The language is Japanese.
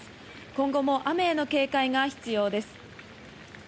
今後も雨への警戒が必要です。